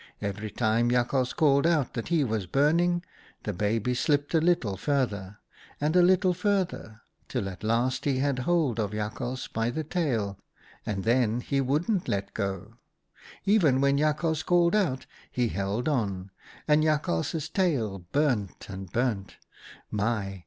Every time Jakhals called out that he was burning, the baby slipped a little further, and a little further, till at last he had hold of Jakhals by the tail, and then he wouldn't let go. Even when Jakhals called out, he held on, and Jakhals's tail burnt and burnt. My